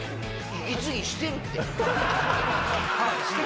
息つぎしてるって。